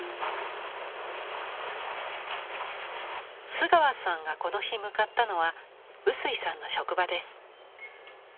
須川さんがこの日向かったのは臼井さんの職場です。